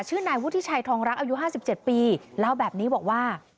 นายวุฒิชัยทองรักอายุ๕๗ปีเล่าแบบนี้บอกว่า